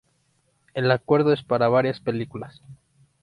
El acuerdo es para varias películas.